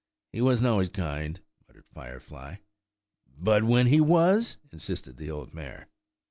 "He wasn't always kind," muttered Firefly. "But when he was?" insisted the old mare.